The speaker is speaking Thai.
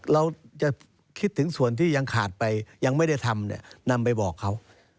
เราจะคิดถึงส่วนที่ยังขาดไปยังไม่ได้ทำเนี่ยนำไปบอกเขา